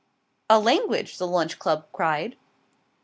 "A language!" the Lunch Club cried.